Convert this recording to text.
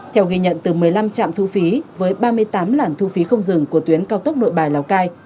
theo ghi nhận từ một mươi năm trạm thu phí với ba mươi tám làn thu phí không dừng của tuyến cao tốc nội bài lào cai